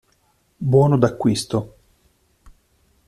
Buono d'acquisto.